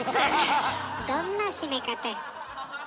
どんな締め方や。